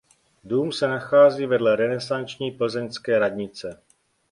Dům se nachází vedle renesanční plzeňské radnice.